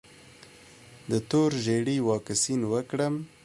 د تور ژیړي واکسین وکړم؟